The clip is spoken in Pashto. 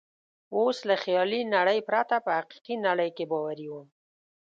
اوس له خیالي نړۍ پرته په حقیقي نړۍ کې باوري وم.